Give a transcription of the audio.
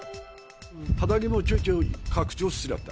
畑もちょいちょい拡張してらった。